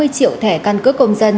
năm mươi triệu thẻ căn cứ công dân